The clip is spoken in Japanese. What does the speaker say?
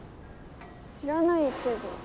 知らないけど。